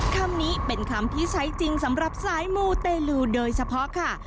คำนี้เป็นคำที่ใช้จริงสำหรับสายมูเตลูโดยเฉพาะค่ะ